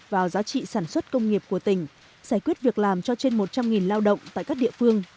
vào giá trị sản xuất công nghiệp của tỉnh giải quyết việc làm cho trên một trăm linh lao động tại các địa phương